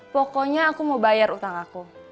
pokoknya aku mau bayar utang aku